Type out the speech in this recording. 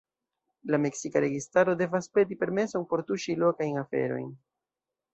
La meksika registaro devas peti permeson por tuŝi lokajn aferojn.